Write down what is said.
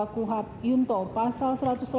kuhat yunto pasal satu ratus delapan puluh